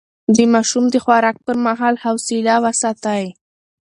د ماشوم د خوراک پر مهال حوصله وساتئ.